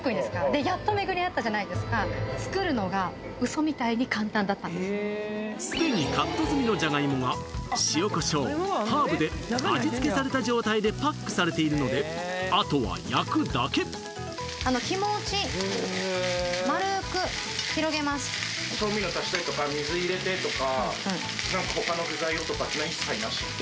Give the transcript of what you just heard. でやっと巡り会ったじゃないですかすでにカット済みのジャガイモが塩コショウハーブで味付けされた状態でパックされているのであとは焼くだけ気持ち調味料足したりとか水入れてとか何か他の具材をとか一切なし？